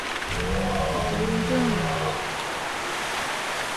Атайыңдың...